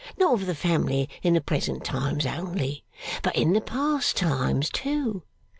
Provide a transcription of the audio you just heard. Not of the family in the present times only, but in the past times too.